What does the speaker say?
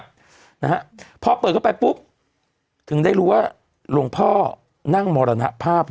นะฮะพอเปิดเข้าไปปุ๊บถึงได้รู้ว่าหลวงพ่อนั่งมรณภาพ